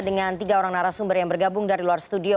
dengan tiga orang narasumber yang bergabung dari luar studio